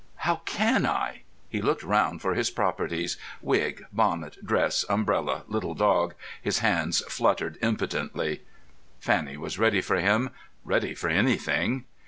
How can I?" He looked round for his properties—wig, bonnet, dress, umbrella, little dog. His hands fluttered impotently. Fanny was ready for him—ready for anything.